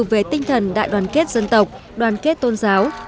về tinh thần đại đoàn kết dân tộc đoàn kết tôn giáo